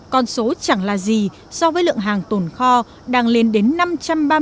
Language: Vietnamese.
con số chẳng là gì so với lượng hàng tồn kho đang lên đến năm trăm ba mươi tấn của cả nước